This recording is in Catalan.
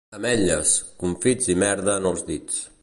Ametlles, confits i merda en els dits.